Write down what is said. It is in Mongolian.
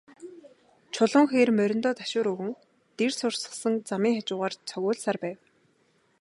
Чулуун хээр мориндоо ташуур өгөн, дэрс ургасан замын хажуугаар цогиулсаар байв.